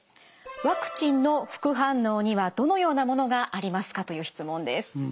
ワクチンの副反応にはどのようなものがありますかという質問です。